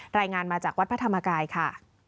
รายงานมาจากวัดพระธรรมกายค่ะ